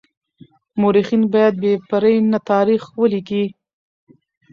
مورخين بايد بې پرې تاريخ وليکي.